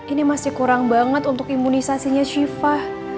ini masih kurang banget untuk imunisasinya shiva